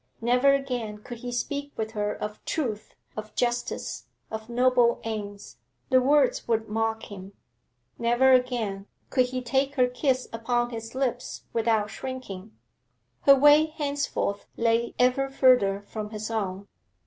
Never again could he speak with her of truth, of justice, of noble aims; the words would mock him. Never again could he take her kiss upon his lips without shrinking. Her way henceforth lay ever further from his own.